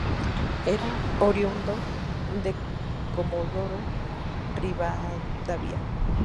Era oriundo de Comodoro Rivadavia.